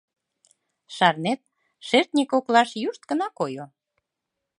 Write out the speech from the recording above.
Шарнет, шертне коклаш юшт гына койо.